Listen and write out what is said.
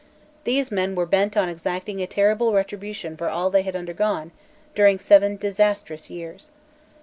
These men were bent on exacting a terrible retribution for all they had undergone during seven disastrous years.